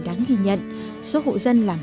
đáng ghi nhận số hộ dân làm